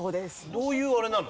どういうあれなの？